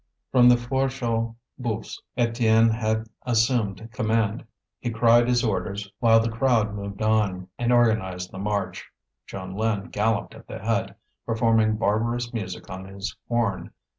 From the Fourche aux Boeufs, Étienne had assumed command. He cried his orders while the crowd moved on, and organized the march. Jeanlin galloped at the head, performing barbarous music on his horn.